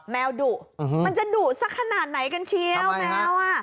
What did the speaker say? แมวดุมันจะดุสักขนาดไหนกันเชียวแมวอ่ะ